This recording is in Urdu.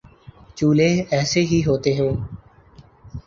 چولہے ایسے ہی ہوتے ہوں